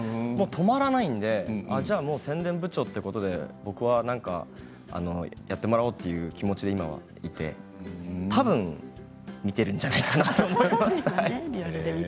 止まらないのでじゃあ宣伝部長ということでここはやってもらおうという気持ちでいてたぶん見ているんじゃないかなと思います。